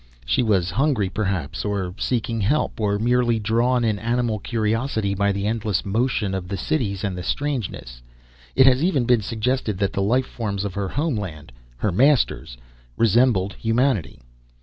She was hungry perhaps, or seeking help, or merely drawn in animal curiosity by the endless motion of the cities and the strangeness. It has even been suggested that the life forms of her homeland her masters resembled humanity.